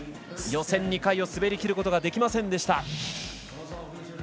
予選２回を滑りきることができませんでした。